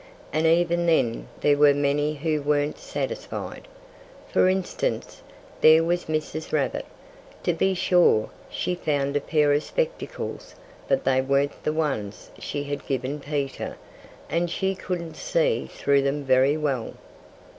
And even then there were many who weren't satisfied. For instance, there was Mrs. Rabbit. To be sure, she found a pair of spectacles. But they weren't the ones she had given Peter. And she couldn't see through them very well.